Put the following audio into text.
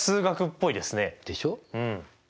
でしょ。